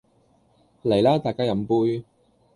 嚟啦大家飲杯